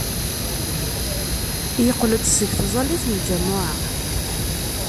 Yeqqel-d seg tẓallit n ljamuɛa.